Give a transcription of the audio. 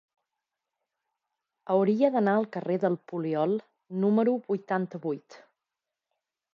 Hauria d'anar al carrer del Poliol número vuitanta-vuit.